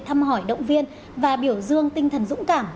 thăm hỏi động viên và biểu dương tinh thần dũng cảm